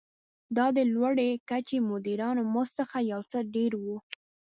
دا د لوړې کچې مدیرانو مزد څخه یو څه ډېر و.